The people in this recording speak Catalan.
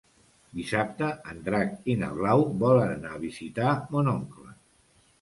Dissabte en Drac i na Blau volen anar a visitar mon oncle.